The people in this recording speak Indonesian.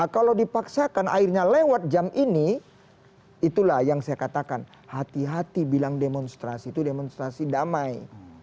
kalau dipaksakan akhirnya lewat jam ini itulah yang saya katakan hati hati bilang demonstrasi itu demonstrasi damai